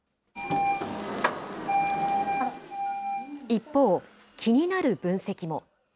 一方、気になる分析も。